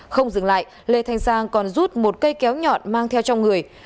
không dừng lại lê thanh giang còn rút một cây kéo nhọn mang theo trong người